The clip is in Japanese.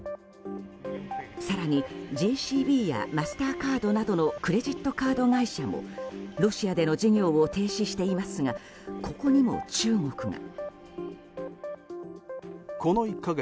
更に、ＪＣＢやマスターカードなどのクレジットカード会社もロシアでの事業を停止していますがここにも中国が。